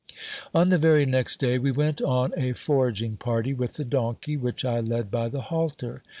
On the very next day we went on a foraging party with the donkey, which I led by the halter.